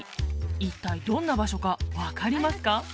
一体どんな場所か分かりますか？